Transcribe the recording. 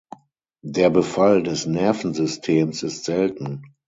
Der Befall des Nervensystems ist selten.